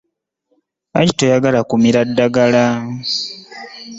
Lwaki toyagala kumira ddagala?